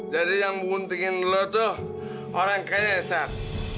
jadi yang mengguntingin lo tuh orang kaya ya sar